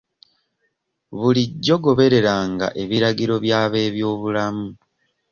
Bulijjo gobereranga ebiragiro by'ab'ebyobulamu.